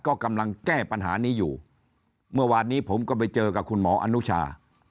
ก็กำลังแก้ปัญหานี้อยู่เมื่อวานนี้ผมก็ไปเจอกับคุณหมออนุชา